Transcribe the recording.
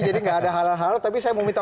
jadi tidak ada halal halal tapi saya mau minta